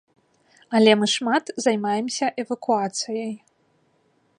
Але мы шмат займаемся эвакуацыяй.